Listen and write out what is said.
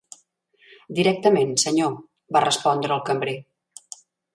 'Directament, senyor,' va respondre el cambrer.